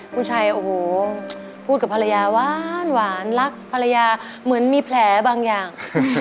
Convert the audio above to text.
ผู้ชายโอ้โหพูดกับภรรยาหวานรักภรรยาเหมือนมีแผลบางอย่าง